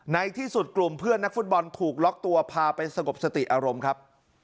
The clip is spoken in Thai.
ในที่สุดกลุ่มเพื่อนนักฟุตบอลถูกล็อกตัวพาไปสงบสติอารมณ์ครับ